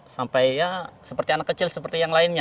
sampai ya seperti anak kecil seperti yang lainnya